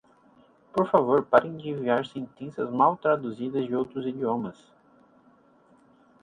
Por favor parem de enviar sentenças mal traduzidas de outros idiomas